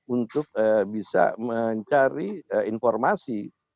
untuk bisa mencari informasi